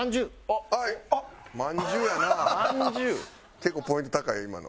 結構ポイント高いよ今の。